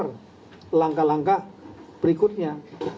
untuk pembendar langkah langkah berikutnya